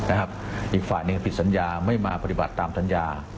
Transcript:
อีกฝ่ายหนึ่งผิดสัญญาไม่มาปฏิบัติตามสัญญา